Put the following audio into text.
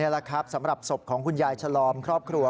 แหละครับสำหรับศพของคุณยายฉลอมครอบครัว